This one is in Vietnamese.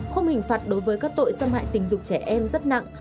khung hình phạt đối với các tội xâm hại tình dục trẻ em rất nặng